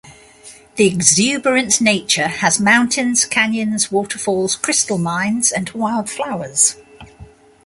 The exuberant nature has mountains, canyons, waterfalls, crystal mines, and wildflowers.